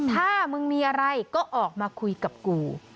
ถ้ามึงมีอะไรก็ออกมาคุยกับกู